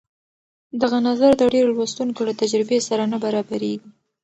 دغه نظر د ډېرو لوستونکو له تجربې سره نه برابرېږي.